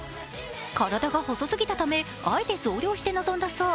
体が細すぎたためあえて増量して臨んだそう。